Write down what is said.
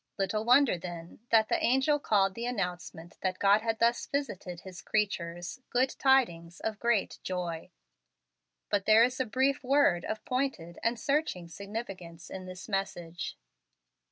Little wonder, then, that the angel called the announcement that God had thus visited His creatures 'good tidings of great joy.' "But there is a brief word of pointed and searching significance in this message.